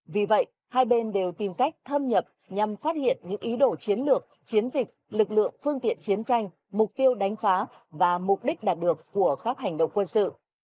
vì vậy hai bên đều tìm cách thâm nhập nhằm phát hiện những ý đồ chiến lược chiến dịch lực lượng phương tiện chiến tranh mục tiêu đánh phá và mục đích đạt được của khắp hành động quân sự